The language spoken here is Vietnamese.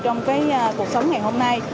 trong cuộc sống ngày hôm nay